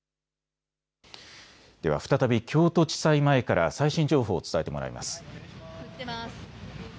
では再び京都地裁前から最新情報を伝えてもらいます。